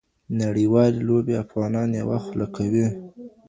نړېوالې لوبې افغانان یوه خوله کوي.